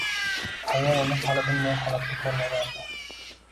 Ayol uni hali bunday holatda ko`rmagandi